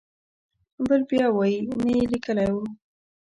بل بیا وایي نه یې لیکلی و.